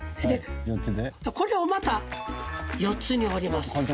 でこれをまた４つに折ります。